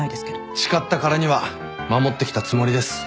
誓ったからには守ってきたつもりです。